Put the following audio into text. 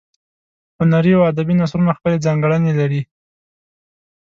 هنري او ادبي نثرونه خپلې ځانګړنې لري.